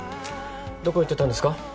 どこ行ってたんですか？